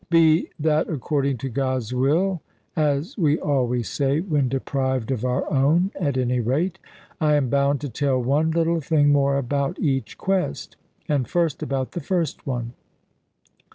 Be that according to God's will as we always say when deprived of our own at any rate, I am bound to tell one little thing more about each quest. And first about the first one.